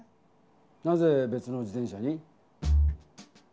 なぜべつの自転車に？